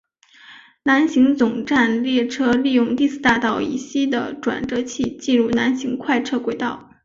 南行总站列车利用第四大道以西的转辙器进入南行快车轨道。